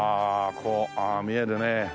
こうああ見えるね。